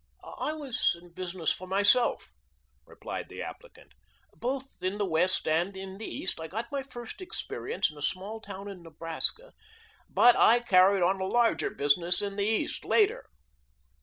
"I was in business for myself," replied the applicant, "both in the West and in the East. I got my first experience in a small town in Nebraska, but I carried on a larger business in the East later."